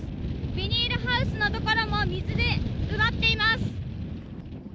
ビニールハウスのところも水で埋まっています。